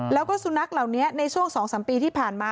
แล้วก็สุนัขเหล่านี้ในช่วง๒๓ปีที่ผ่านมา